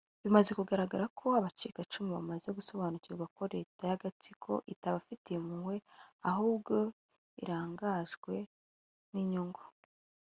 Bimaze kugaragara ko abacikacumu bamaze gusobanukirwa ko leta y’agatsiko itabafitite impuhwe ahubwo irangajwe n’inyungu